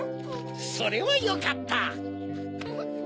それはよかった！